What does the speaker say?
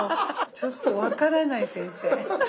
ちょっと分からない先生。